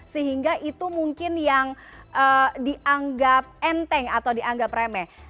sehingga itu mungkin yang dianggap enteng atau dianggap remeh